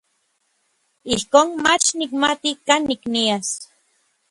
Ijkon mach nikmati kanik nias.